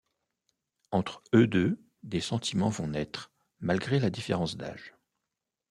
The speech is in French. Entre eux deux, des sentiments vont naître, malgré la différence d'âge.